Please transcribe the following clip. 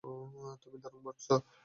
তুমি দারুণ করছো।